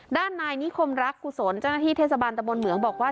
ด้านนายนิคมรักกุศลเจ้าหน้าที่เทศบาลตะบนเหมืองบอกว่า